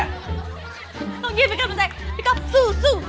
ต้องยิ้มพี่กลับสู่แตง